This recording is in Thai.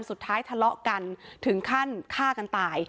สุดท้ายทะเลาะกันถึงขั้นฆ่ากันตาย